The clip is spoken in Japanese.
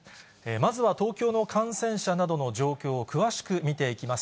まずは東京の感染者などの状況を詳しく見ていきます。